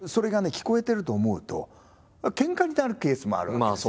聞こえてると思うとけんかになるケースもあるわけですよ。